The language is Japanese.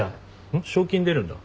賞金出るんだ。